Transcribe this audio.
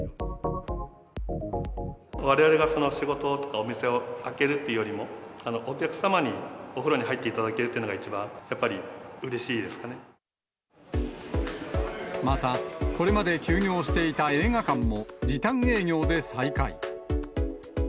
われわれが仕事とか、お店を開けるっていうよりも、お客様にお風呂に入っていただけるというのが、一番やっぱりうれまた、これまで休業していた映画館も、時短営業で再開。